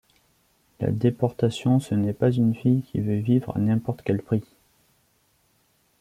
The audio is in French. La déportation ce n'est pas une fille qui veut vivre à n'importe quel prix.